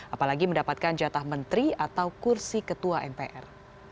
apalagi mendapatkan jatah menteri atau kursi ketua mpr